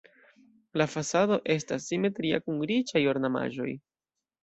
La fasado estas simetria kun riĉaj ornamaĵoj.